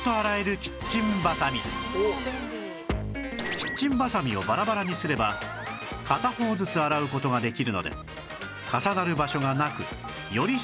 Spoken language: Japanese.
キッチンバサミをバラバラにすれば片方ずつ洗う事ができるので重なる場所がなくより清潔に保つ事ができる